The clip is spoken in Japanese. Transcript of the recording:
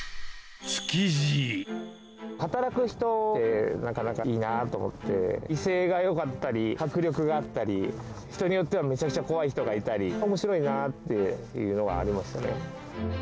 働く人って、なかなかいいなと思って、威勢がよかったり、迫力があったり、人によってはめちゃくちゃ怖い人がいたり、おもしろいなっていうのはありましたね。